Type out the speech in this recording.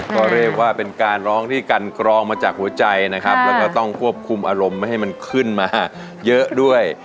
ขอเรียกว่าเป็นการร้องที่กันกรองมาจากหัวใจจ้ายเราให้ขึ้นมาเยอะด้วย